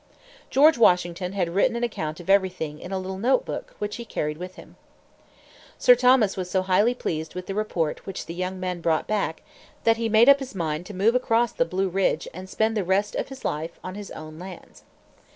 George Washington had written an account of everything in a little note book which he carried with him. Sir Thomas was so highly pleased with the report which the young men brought back that he made up his mind to move across the Blue Ridge and spend the rest of his life on his own lands.